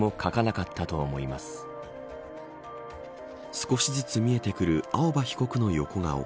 少しずつ見えてくる青葉被告の横顔。